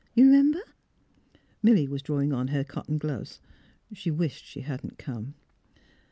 You remember? " Milly was drawing on her cotton gloves. She wished she had not come.